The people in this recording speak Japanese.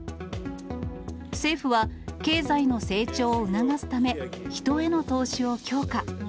政府は、経済の成長を促すため、人への投資を強化。